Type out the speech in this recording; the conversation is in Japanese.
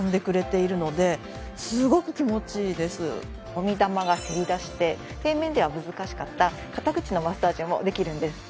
もみ玉がせり出して平面では難しかった肩口のマッサージもできるんです。